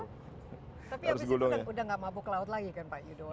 tapi abis itu sudah tidak mabuk ke laut lagi pak yudo